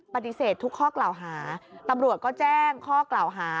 ปฏิเสธทุกข้อกล่าวหาตำรวจก็แจ้งข้อกล่าวหา